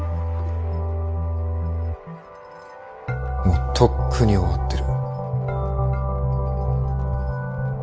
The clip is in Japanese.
もうとっくに終わってる。